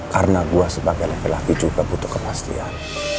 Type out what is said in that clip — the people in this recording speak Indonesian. karena gua sebagai lebih laki juga butuh kepastian